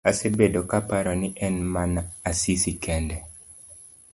Asebedo kaparo ni en mana Asisi kende.